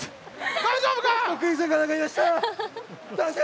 大丈夫か！？